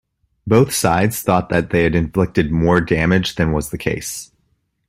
Both sides thought that they had inflicted more damage than was the case.